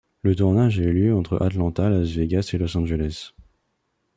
Le tournage a eu lieu entre Atlanta, Las Vegas et Los Angeles.